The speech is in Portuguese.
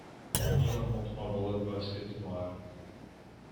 Um menino aponta uma bola de basquete no aro.